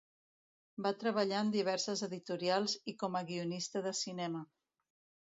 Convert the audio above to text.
Va treballar en diverses editorials i com a guionista de cinema.